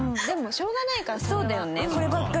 でもしょうがないからそれは。